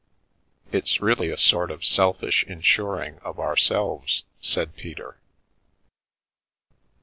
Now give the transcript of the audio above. " It's really a sort of selfish insuring of ourselves/ 9 said Peter.